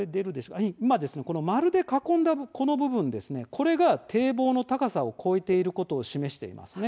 丸で囲んだ、この部分これは堤防の高さを超えていることを示しています。